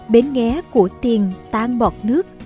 bến ghé của tiền tan bọt nước